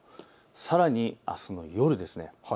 さらにあすの夜です。